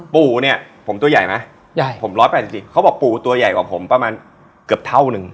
ปู่เนี่ยผมตัวใหญ่ไหมใหญ่ผม๑๘๐เขาบอกปู่ตัวใหญ่กว่าผมประมาณเกือบเท่านึง